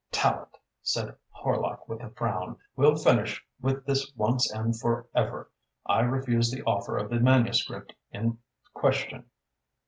"Tallente," said Horlock with a frown, "we'll finish with this once and for ever. I refused the offer of the manuscript in question."